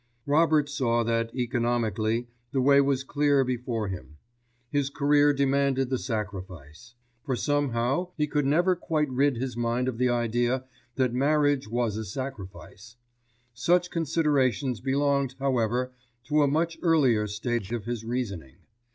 Robert saw that, economically, the way was clear before him. His career demanded the sacrifice; for somehow he could never quite rid his mind of the idea that marriage was a sacrifice. Such considerations belonged, however, to a much earlier stage of his reasoning.